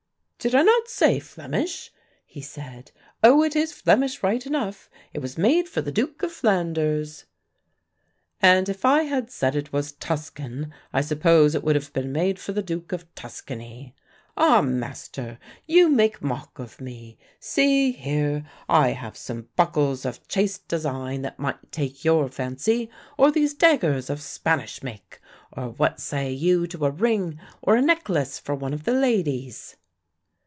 "Did I not say Flemish?" he said. "Oh, it is Flemish right enough; it was made for the Duke of Flanders." "And if I had said it was Tuscan I suppose it would have been made for the Duke of Tuscany." "Ah, master, you make mock of me; see, here, I have some buckles of chaste design that might take your fancy or these daggers of Spanish make, or what say you to a ring or a necklace for one of the ladies?"